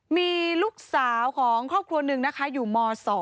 มีลูกสาวของครอบครัวหนึ่งนะคะอยู่ม๒